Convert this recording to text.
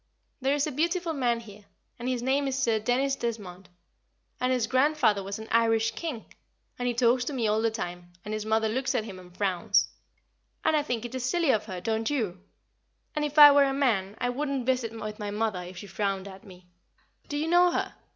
There is a beautiful man here, and his name is Sir Dennis Desmond, and his grandfather was an Irish King, and he talks to me all the time, and his mother looks at him and frowns; and I think it silly of her, don't you? And if I were a man I wouldn't visit with my mother if she frowned at me. Do you know her?